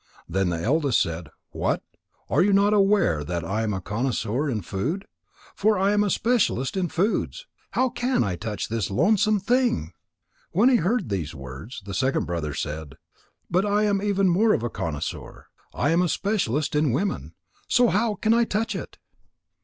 Then the eldest said: "What? Are you not aware that I am a connoisseur in food? For I am a specialists in foods. How can I touch this loathsome thing?" When he heard these words, the second brother said: "But I am even more of a connoisseur. I am a specialist in women. So how can I touch it?"